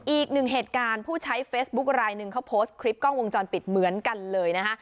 อีกหนึ่งเหตุการณ์ผู้ใช้เฟซบุ๊คลายหนึ่งเขาโพสต์คลิปกล้องวงจรปิดเหมือนกันเลยนะคะ